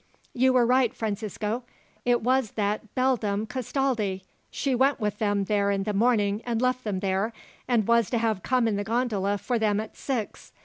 You were right, Francisco, it was that beldam Castaldi. She went with them there in the morning, and left them there, and was to have come in the gondola for them at six.